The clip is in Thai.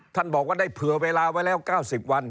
บอกว่าได้เผื่อเวลาไว้แล้ว๙๐วัน